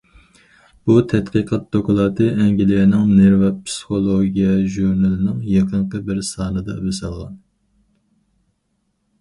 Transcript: بۇ تەتقىقات دوكلاتى ئەنگلىيەنىڭ« نېرۋا پىسخولوگىيە» ژۇرنىلىنىڭ يېقىنقى بىر سانىدا بېسىلغان.